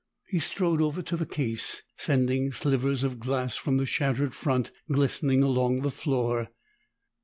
He strode over to the case, sending slivers of glass from the shattered front glistening along the floor.